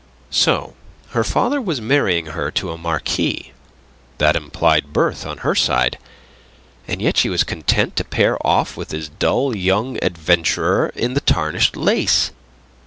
So her father was marrying her to a marquis! That implied birth on her side. And yet she was content to pair off with this dull young adventurer in the tarnished lace!